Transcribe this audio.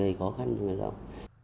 đó là một khó khăn của người lao động